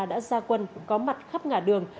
đã ra quân có mặt khắp ngả đường